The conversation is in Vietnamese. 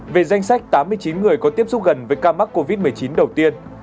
về danh sách tám mươi chín người có tiếp xúc gần với ca mắc covid một mươi chín đầu tiên